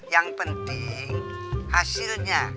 yang penting hasilnya